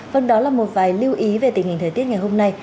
vâng đó là một vài lưu ý về tình hình thời tiết ngày hôm nay